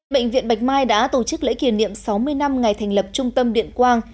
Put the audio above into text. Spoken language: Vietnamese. bệnh viện bạch mai đã tổ chức lễ kỷ niệm sáu mươi năm ngày thành lập trung tâm điện quang